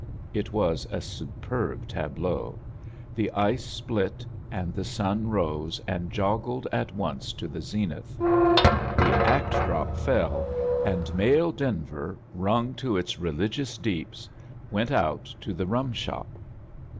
It was a superb tableau: the ice split, and the sun rose and ioajled at once to the zenith. The act drop fell, and male Denver, wrung to its gioos deeps, went out to the rum shop.